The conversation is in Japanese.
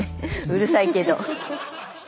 うるさいけど。